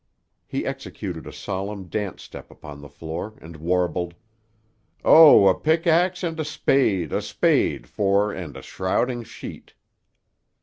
He executed a solemn dance step upon the floor and warbled, "'Oh, a pickax and a spade, a spade, For and a shrouding sheet!